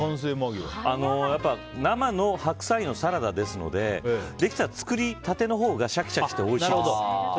生の白菜のサラダですのでできたら作り立てのほうがシャキシャキとおいしいです。